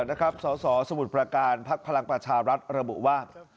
สสสมุทรประการพักพลังประชารัฐระบุว่า